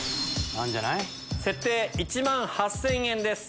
設定１万８０００円です。